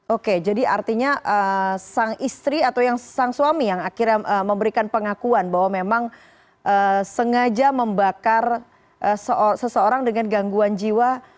oke jadi artinya sang istri atau yang sang suami yang akhirnya memberikan pengakuan bahwa memang sengaja membakar seseorang dengan gangguan jiwa